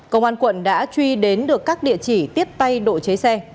công an quận đã truy đến được các địa chỉ tiếp tay độ chế xe